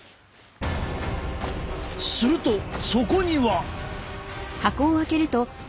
するとそこには。